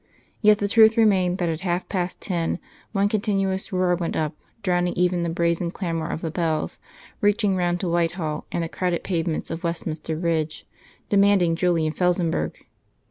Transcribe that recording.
Yet the truth remained that at half past ten one continuous roar went up, drowning even the brazen clamour of the bells, reaching round to Whitehall and the crowded pavements of Westminster Bridge, demanding Julian Felsenburgh.